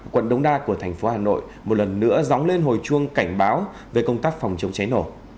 quận đống đa của thành phố hà nội một lần nữa dóng lên hồi chuông cảnh báo về công tác phòng chống cháy nổ